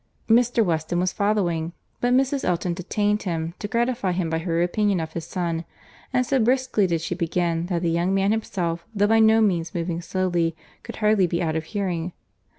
Mr. Weston was following; but Mrs. Elton detained him, to gratify him by her opinion of his son; and so briskly did she begin, that the young man himself, though by no means moving slowly, could hardly be out of hearing.